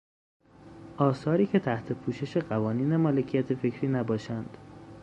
آثاری که تحت پوشش قوانین مالکیت فکری نباشند.